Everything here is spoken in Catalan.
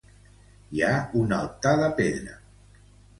Hi ha un altar de pedra.